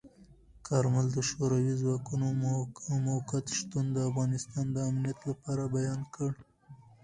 کارمل د شوروي ځواکونو موقت شتون د افغانستان د امنیت لپاره بیان کړ.